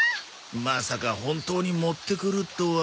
まさか本当に持ってくるとは。